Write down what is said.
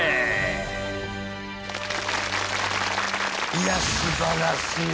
いやすばらしい。